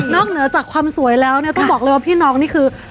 เหนือจากความสวยแล้วเนี่ยต้องบอกเลยว่าพี่น้องนี่คือ